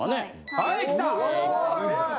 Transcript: はい来た！